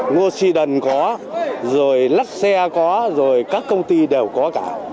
ngo si đần có rồi lắc xe có rồi các công ty đều có cả